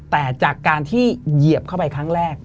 แต่จากการที่เหยียบเข้าไปครั้งแรก